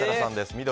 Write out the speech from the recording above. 緑。